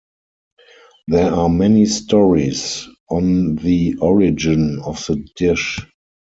There are many stories on the origin of the dish.